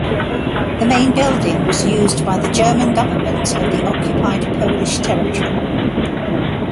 The main building was used by the German government of the occupied Polish territory.